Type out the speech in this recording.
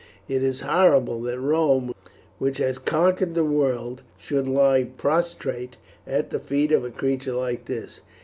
It is horrible that Rome, which has conquered the world, should lie prostrate at the feet of a creature like this.